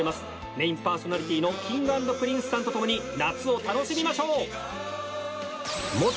メインパーソナリティーのＫｉｎｇ＆Ｐｒｉｎｃｅさんとともに夏を楽しみましょう！